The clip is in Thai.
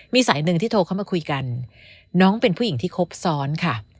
มีสายหนึ่งที่โทรเข้ามาคุยกันน้องเป็นผู้หญิงที่ครบซ้อนค่ะ